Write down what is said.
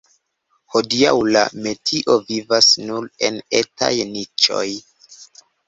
Hodiaŭ la metio vivas nur en etaj niĉoj.